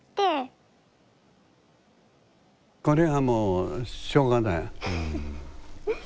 これはもうしょうがない。